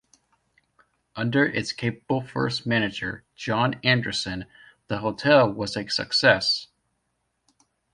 Under its capable first manager, John Anderson, the hotel was a success.